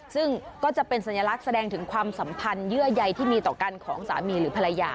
ซึ่งก็จะเป็นสัญลักษณ์แสดงถึงความสัมพันธ์เยื่อใยที่มีต่อกันของสามีหรือภรรยา